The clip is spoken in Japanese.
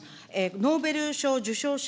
ノーベル賞受賞者